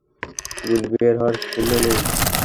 গুলি বের হওয়ার চিহ্ন নেই।